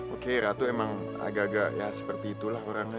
oke ratu emang agak agak ya seperti itulah orangnya